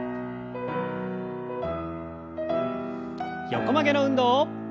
横曲げの運動。